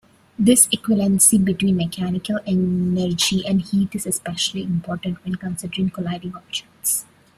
This equivalence between mechanical energy and heat is especially important when considering colliding objects.